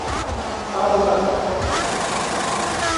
Part del darrere: